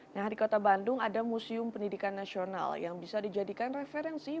nah di kota bandung ada museum pendidikan nasional yang bisa dijadikan referensi